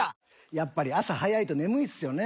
やっぱり朝早いと眠いっすよね